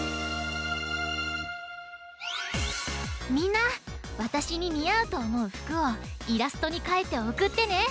みんなわたしににあうとおもうふくをイラストにかいておくってね！